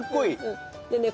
でね